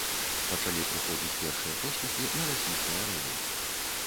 Пачалі прыходзіць першыя поспехі на расійскай арэне.